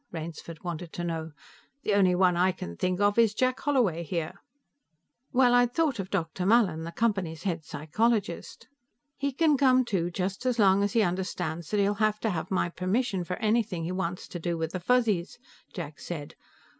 Rainsford wanted to know. "The only one I can think of is Jack Holloway, here." "Well, I'd thought of Dr. Mallin, the Company's head psychologist." "He can come too, just as long as he understands that he'll have to have my permission for anything he wants to do with the Fuzzies," Jack said.